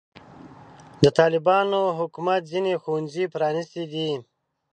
د طالبانو حکومت ځینې ښوونځي پرانستې دي.